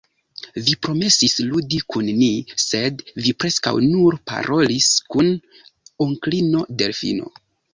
Vi promesis ludi kun ni, sed vi preskaŭ nur parolis kun onklino Delfino.